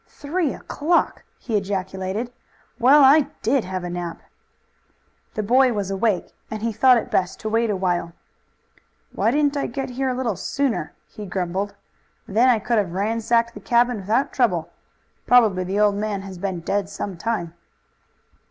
"Three o'clock," he ejaculated. "Well, I did have a nap!" The boy was awake, and he thought it best to wait a while. "Why didn't I get here a little sooner?" he grumbled. "Then I could have ransacked the cabin without trouble. Probably the old man has been dead some time."